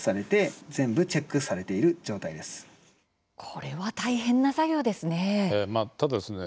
これは大変な作業ですね。